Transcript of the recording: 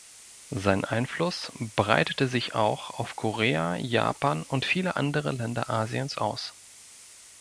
Sein Einfluss breitete sich auch auf Korea, Japan und viele andere Länder Asiens aus.